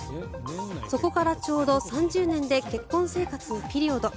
そこからちょうど３０年で結婚生活にピリオド。